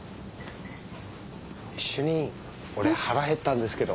主任俺腹減ったんですけど。